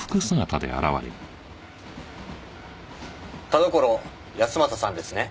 田所康正さんですね？